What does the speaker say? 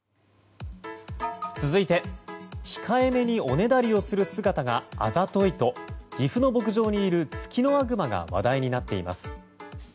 続いて、控えめにおねだりをする姿があざといと岐阜の牧場にいるツキノワグマが話題になっています。